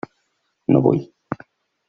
No vull.